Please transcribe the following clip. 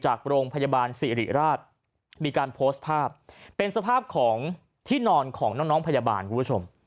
จากโรงพยาบาลสิริราชมีการโพสต์ภาพเป็นสภาพของที่นอนของน้องพยาบาลคุณผู้ชม